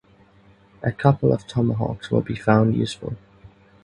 A couple of tomahawks will be found useful.